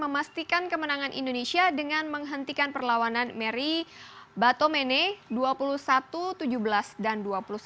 memastikan kemenangan indonesia dengan menghentikan perlawanan mary batomene dua puluh satu tujuh belas dan dua puluh satu sembilan belas